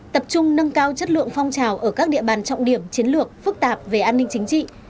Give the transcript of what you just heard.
tập trung nâng cao chất lượng phong trào ở các địa bàn trọng điểm chiến lược phức tạp về an ninh chính trị